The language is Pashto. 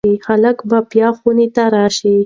هلک به بیا خونې ته راشي.